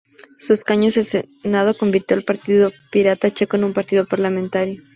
Su escaño en el senado convirtió al Partido Pirata Checo en un partido parlamentario.